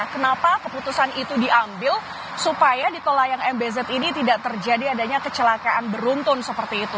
kenapa keputusan itu diambil supaya di tol layang mbz ini tidak terjadi adanya kecelakaan beruntun seperti itu